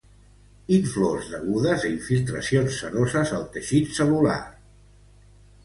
Inflors degudes a infiltracions seroses al teixit cel·lular.